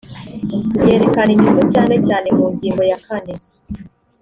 byerekana inyungu cyane cyane mu ngingo ya kane